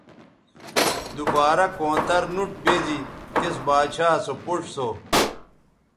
دوبارہ کونتر نوٹ بیزی تس باچھا سو پوڇ سو